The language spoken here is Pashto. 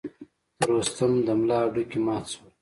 د رستم د ملا هډوکي مات شول.